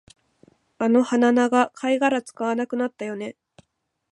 あの鼻長、貝殻使わなくなったよね